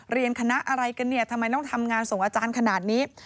คณะอะไรกันเนี่ยทำไมต้องทำงานส่งอาจารย์ขนาดนี้